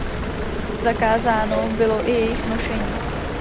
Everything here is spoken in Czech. Zakázáno bylo i jejich nošení.